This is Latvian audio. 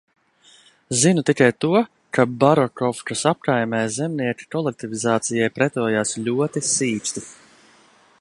Zinu tikai to, ka Barokovkas apkaimē zemnieki kolektivizācijai pretojās ļoti sīksti.